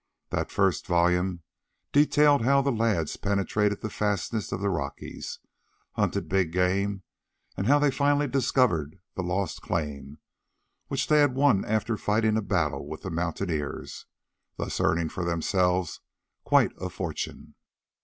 That first volume detailed how the lads penetrated the fastnesses of the Rockies, hunted big game and how they finally discovered the Lost Claim, which they won after fighting a battle with the mountaineers, thus earning for themselves quite a fortune.